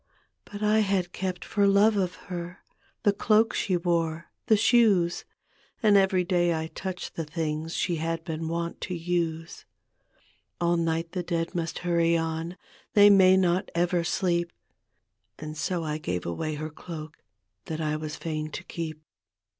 But I had kept for love of her The cloak ^ wore, the shoes. And every day I touched the things She had been wont to use. All night the dead must hurry on, They may not ever sleep. And so I gave away her cloak That I was fain to keep.